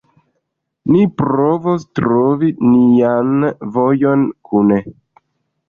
Ni provos retrovi nian vojon kune.